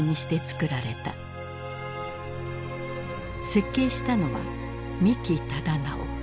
設計したのは三木忠直。